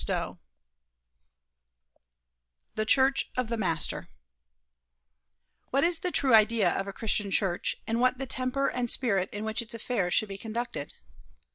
XX THE CHURCH OF THE MASTER What is the true idea of a Christian church, and what the temper and spirit in which its affairs should be conducted?